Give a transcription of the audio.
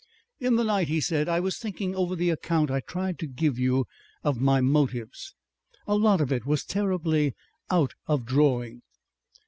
"In the night," he said, "I was thinking over the account I tried to give you of my motives. A lot of it was terribly out of drawing."